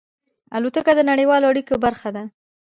الوتکه د نړیوالو اړیکو برخه ده.